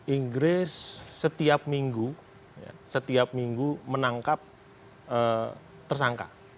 inggris setiap minggu setiap minggu menangkap tersangka